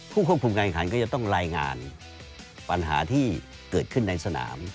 ควบคุมการขันก็จะต้องรายงานปัญหาที่เกิดขึ้นในสนาม